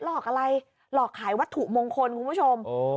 หลอกอะไรหลอกขายวัตถุมงคลคุณผู้ชม